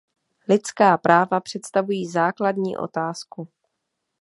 Lidská práva představují základní otázku.